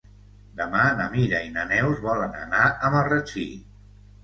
Demà na Mira i na Neus volen anar a Marratxí.